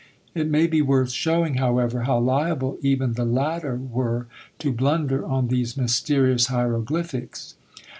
It may be worth showing, however, how liable even the latter were to blunder on these mysterious hieroglyphics.